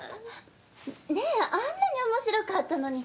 ねえあんなに面白かったのに。